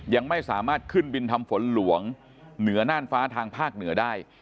ยังไม่สามารถขึ้นบินทำฝนหลวงเหนือน่านฟ้าทางภาคเหนือได้